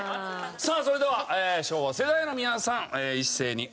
さあそれでは昭和世代の皆さん一斉にオープン。